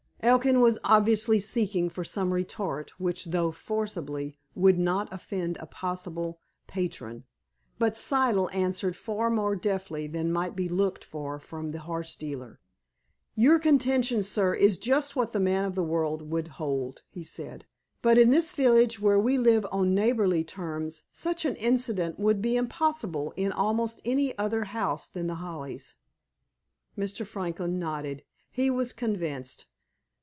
Elkin was obviously seeking for some retort which, though forcible, would not offend a possible patron. But Siddle answered far more deftly than might be looked for from the horse dealer. "Your contention, sir, is just what the man of the world would hold," he said, "but, in this village, where we live on neighborly terms, such an incident would be impossible in almost any other house than The Hollies." Mr. Franklin nodded. He was convinced.